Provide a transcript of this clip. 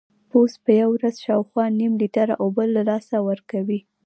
پوست په یوه ورځ شاوخوا نیم لیټر اوبه له لاسه ورکوي.